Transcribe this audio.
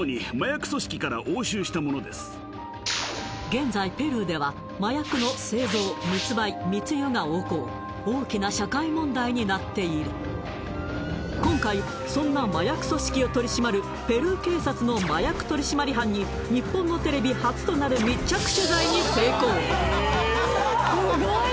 現在ペルーでは麻薬の製造密売密輸が横行大きな社会問題になっている今回そんな麻薬組織を取り締まるペルー警察の麻薬取締班に日本のテレビ初となる密着取材に成功！